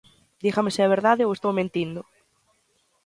Dígame se é verdade ou estou mentindo.